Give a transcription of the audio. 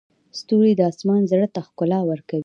ستوري د اسمان زړه ته ښکلا ورکوي.